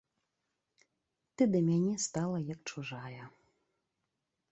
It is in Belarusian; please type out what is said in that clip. Ты да мяне стала як чужая.